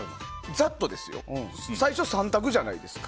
ざっとですよ最初３択じゃないですか。